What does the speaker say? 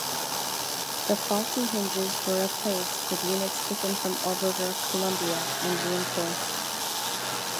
The faulty hinges were replaced with units taken from orbiter "Columbia", and reinforced.